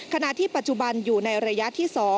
ขณะที่ปัจจุบันอยู่ในระยะที่๒